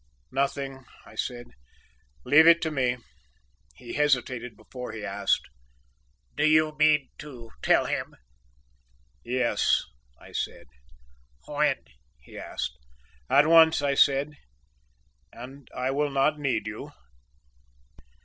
"Nothing," I said, "leave it to me." He hesitated before he asked: "Do you mean to tell him?" "Yes," I said. "When?" he asked. "At once," I said, "and I will not need you."